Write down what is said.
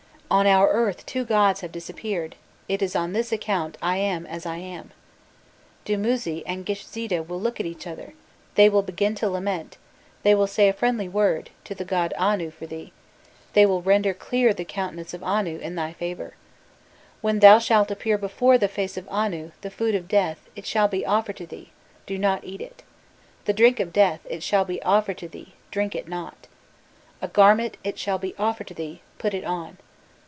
'On our earth two gods have disappeared it is on this account I am as I am.' Dumuzi and Gishzida will look at each other,* they will begin to lament, they will say a friendly word to the god Anu for thee, they will render clear the countenance of Anu, in thy favour. When thou shalt appear before the face of Anu, the food of death, it shall be offered to thee, do not eat it. The drink of death, it shall be offered to thee, drink it not. A garment, it shall be offered to the, put it on.